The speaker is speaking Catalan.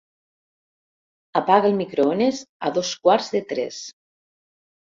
Apaga el microones a dos quarts de tres.